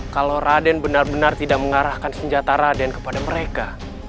kalau raden benar benar tidak mengarahkan senjata raden kepada mereka